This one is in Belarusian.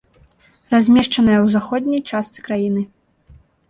Размешчаная ў заходняй частцы краіны.